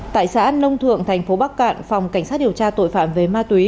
tại xã nông thượng thành phố bắc cạn phòng cảnh sát điều tra tội phạm về ma túy